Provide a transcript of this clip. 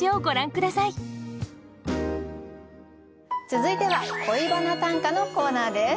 続いては「恋バナ短歌」のコーナーです。